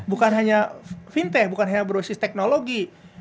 bukan hanya fintech bukan hanya berbasis teknologi